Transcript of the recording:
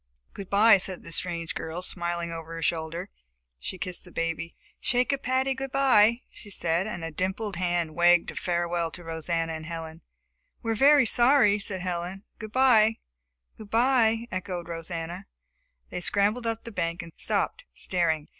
"Good by," said the strange girl, smiling over her shoulder. She kissed the baby. "Shake a paddy good by," she said, and a little dimpled hand wagged a farewell at Rosanna and Helen. "We're very sorry," said Helen. "Good by!" "Good by!" echoed Rosanna. They scrambled up the bank and stopped, staring.